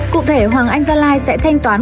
cụ thể hoàng anh gia lai sẽ thanh toán